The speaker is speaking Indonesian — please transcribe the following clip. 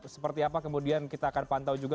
seperti apa kemudian kita akan pantau juga